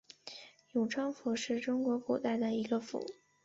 永昌府是中国古代的一个府。